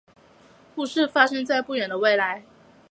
故事发生在不远的未来。